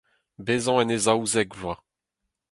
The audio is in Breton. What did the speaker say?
bezañ en e zaouzek vloaz